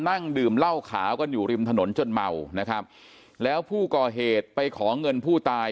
นั่งดื่มเหล้าขาวกันอยู่ริมถนนจนเมานะครับแล้วผู้ก่อเหตุไปขอเงินผู้ตาย